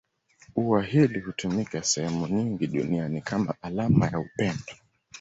Ua hili hutumika sehemu nyingi duniani kama alama ya upendo.